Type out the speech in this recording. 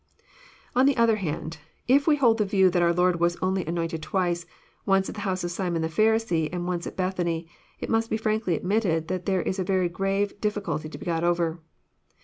On the other hand, if we hold the view that oar Lord was only anointed twice, once at the house of Simon the Pharisee, and once at Bethany, it must be frankly admitted that there is a very grave difficulty to begot over.